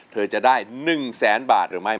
เธอจะได้๑แสนบาทหรือไม่